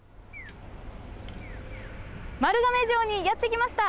丸亀城にやってきました。